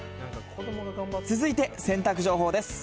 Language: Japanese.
続いて洗濯情報です。